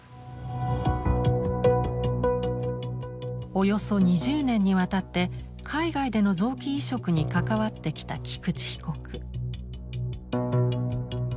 およそ２０年にわたって海外での臓器移植に関わってきた菊池被告。